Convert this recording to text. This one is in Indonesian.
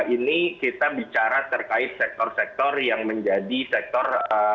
ini kita bicara terkait sektor sektor yang menjadi sektor